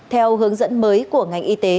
theo hướng dẫn mới của ngành y tế